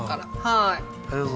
はい。